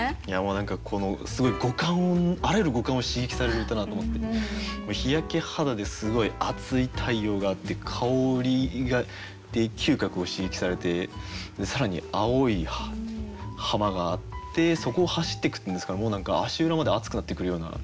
何かすごいあらゆる五感を刺激される歌だと思って「日焼け肌」ですごい熱い太陽があって「香り」で嗅覚を刺激されて更に「青い浜」があってそこを走っていくっていうんですからもう何か足裏まで熱くなってくるような。